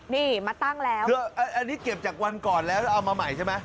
นี่มาตั้งแล้วคืออันนี้เก็บจากวันก่อนแล้วเอามาใหม่ใช่ไหม